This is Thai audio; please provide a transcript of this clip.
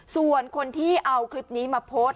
ส่วนคนที่เอาคลิปนี้มาโพสต์